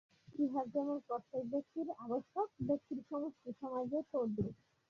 ইহা যেমন প্রত্যেক ব্যক্তির আবশ্যক, ব্যক্তির সমষ্টি সমাজেও তদ্রূপ।